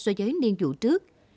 so với nền vụ trước